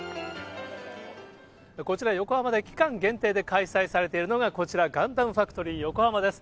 こちら横浜で期間限定で開催されているのがこちら、ガンダムファクトリーヨコハマです。